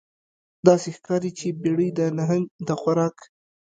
داسې ښکاري چې بیړۍ د نهنګ د خوراک